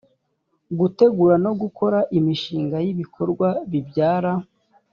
gutegura no gukora imishinga y ibikorwa bibyara